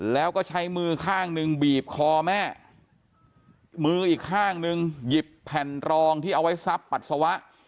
แล้วก็ใช้มือข้างหนึ่งบีบคอแม่มืออีกข้างนึงหยิบแผ่นรองที่เอาไว้ซับปัสสาวะ